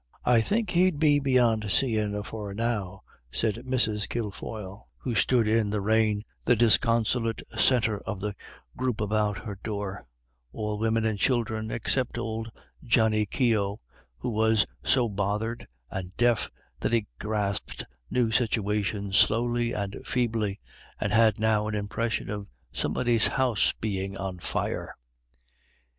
"I'd think he'd be beyant seein' afore now," said Mrs. Kilfoyle, who stood in the rain, the disconsolate centre of the group about her door; all women and children except old Johnny Keogh, who was so bothered and deaf that he grasped new situations slowly and feebly, and had now an impression of somebody's house being on fire.